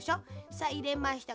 さっいれました。